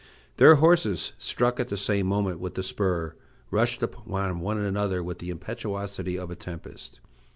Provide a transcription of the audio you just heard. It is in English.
Their horses, struck at the same moment with the spur, rushed upon one another with the impetuosity of a tempest.